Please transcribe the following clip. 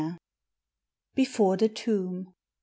BEFORE THE TOMB.